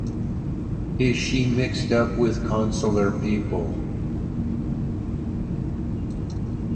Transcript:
Is she mixed up with Consular people?